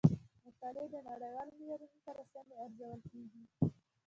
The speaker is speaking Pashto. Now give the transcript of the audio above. مقالې د نړیوالو معیارونو سره سمې ارزول کیږي.